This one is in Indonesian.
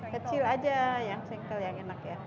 kecil aja yang single yang enak ya